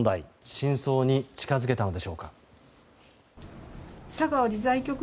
真相に近づけたのでしょうか。